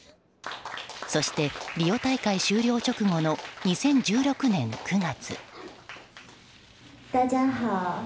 そして、リオ大会終了直後の２０１６年９月。